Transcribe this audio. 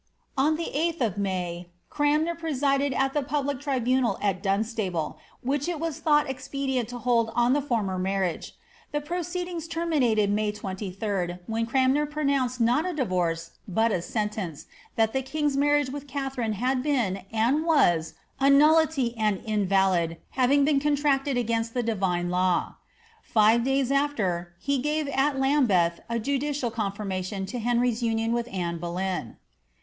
^On the 8th of May, Cranmer presided at the public tribunal at Dunstable, which it was thought expedient to hold on the former mar riage. The proceedings terminated May 23d, when Cranmer pronounced not a divorce, but a sentence, that the king's marriage with Katharine had been, and was, a nullity and invalid, having been contracted against the Divine law. Five days after, he gave at Lambeth a judicial confirm ation to Henry's union with Anne Boleyn."